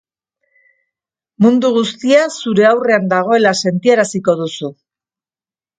Mundu guztia zure aurrean dagoela sentiaraziko duzu.